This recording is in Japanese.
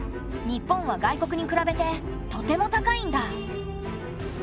日本は外国に比べてとても高いんだ。